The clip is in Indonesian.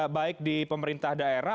baik di pemerintah daerah